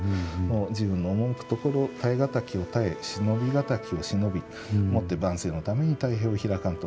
「時運の赴くところ堪え難きを堪え忍び難きを忍びもって万世のために太平を開かんと欲す」と。